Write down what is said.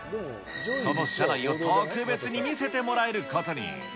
その社内を特別に見せてもらえることに。